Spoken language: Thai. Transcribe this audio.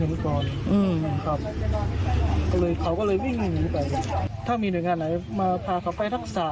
อืมครับเขาก็เลยวิ่งไปถ้ามีหน่วยงานไหนมาพาเขาไปรักษา